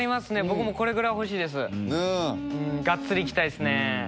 僕もこれぐらい欲しいですガッツリいきたいですね